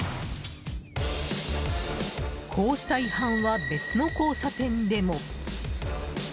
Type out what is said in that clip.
こうした違反は別の交差点でも。